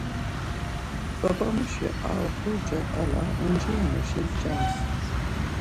Babamuşi ar oxorca ǩala onciremuşis cans.